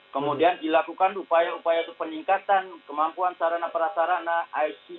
kemudian dilakukan upaya upaya peningkatan kemampuan sarana perasarana icu ventilator termasuk juga masalah sdm